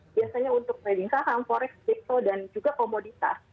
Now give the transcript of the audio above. biasanya untuk trading saham forex crypto dan juga komoditas